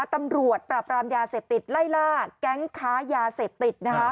ตำรวจปราบรามยาเสพติดไล่ล่าแก๊งค้ายาเสพติด